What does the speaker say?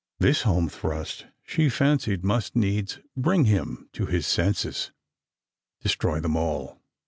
This home thrust she fancied must needs bring him to his senses. "Destroy them all!"